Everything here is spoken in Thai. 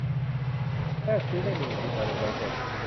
แลกซื้อได้หนึ่งสิทธิ์ต่อหนึ่งใบเสร็จ